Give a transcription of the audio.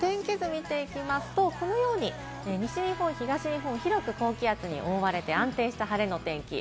今日の天気図を見ていきますと、このように西日本、東日本、広く高気圧に覆われて、安定した晴れの天気。